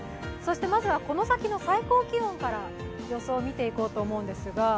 まずはこの先の最高気温から予想を見ていこうと思うんですが。